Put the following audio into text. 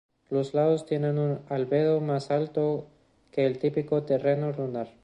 Los lados tienen un albedo más alto que el típico terreno lunar.